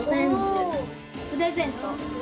プレゼント。